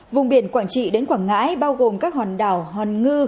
vùng biển quảng trị đến quảng ngãi bao gồm các hòn đảo hòn ngư